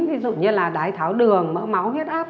ví dụ như là đái tháo đường mỡ máu huyết áp